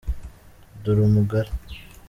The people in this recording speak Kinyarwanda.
dore umugara.